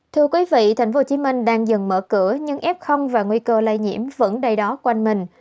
thưa quý vị tp hcm đang dần mở cửa nhưng f và nguy cơ lây nhiễm vẫn đầy đó quanh mình